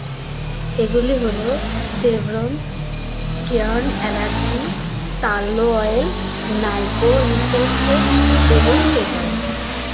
এগুলি হলো Chevron, Cairn energy, Tullow oil, Niko resources এবং টোটাল।